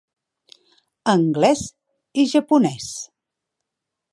Anglès i japonès.